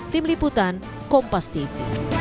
tim liputan kompas tv